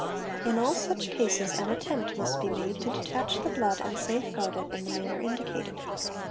In all such cases an attempt must be _ made to detach the blood and safe guard it in the manner indicated.